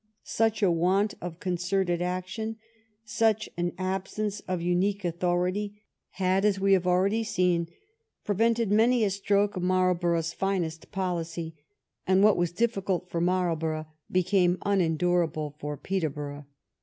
Such a want of concerted action, such an absence of unique authority, had, as we have already seen, prevented many a stroke of Marlborough's finest policy, and what was difficult for Marlborough became unendurable for Peterborough.